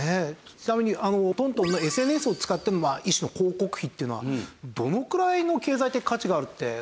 ちなみに東東のＳＮＳを使っての一種の広告費っていうのはどのくらいの経済的価値があるって。